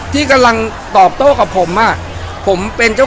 ที่กำลังตอบโต้กับผม